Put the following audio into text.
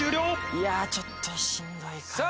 いやちょっとしんどいかな。